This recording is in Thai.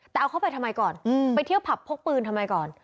แต่เอาเข้าไปทำไมก่อนไปเที่ยวผับพกปืนทำไมก่อน